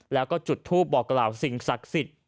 แล้วก็จุดทูปบอกกล่าวสิ่งศักดิ์สิทธิ์